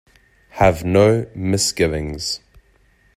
Have no misgivings.